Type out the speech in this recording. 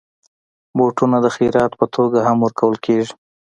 بوټونه د خيرات په توګه هم ورکول کېږي.